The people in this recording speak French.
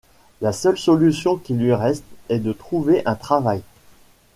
La seule solution qui lui reste est de trouver un travail.